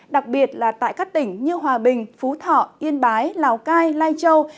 đặc biệt là tại các tỉnh như hòa bình phú thọ yên bái lào cai lai châu